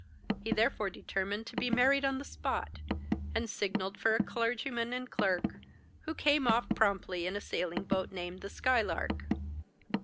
He therefore determined to be married on the spot, and signalled for a clergyman and clerk, who came off promptly in a sailing boat named 'The Skylark.